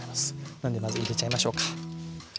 なんでまず入れちゃいましょうか。